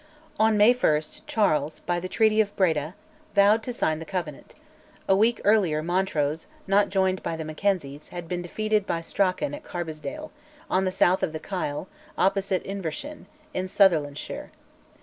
On May 1, Charles, by the Treaty of Breda, vowed to sign the Covenant; a week earlier Montrose, not joined by the Mackenzies, had been defeated by Strachan at Carbisdale, on the south of the Kyle, opposite Invershin, in Sutherlandshire.